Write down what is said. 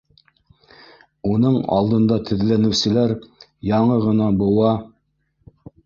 Уның алдында теҙләнеүселәр яңы ғына быуа